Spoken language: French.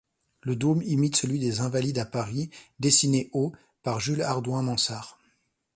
Le dôme imite celui des Invalides à Paris, dessiné au par Jules Hardouin-Mansart.